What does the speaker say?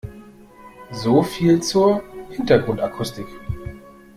So viel zur Hintergrundakustik.